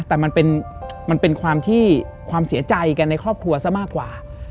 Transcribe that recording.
แต่มันเป็นความเสียใจในครอบครัวซะมากกว่า